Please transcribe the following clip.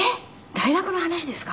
大学の話ですか？